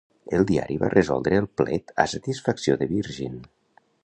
El diari va resoldre el plet a satisfacció de Virgin.